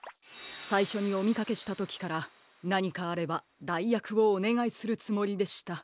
さいしょにおみかけしたときからなにかあればだいやくをおねがいするつもりでした。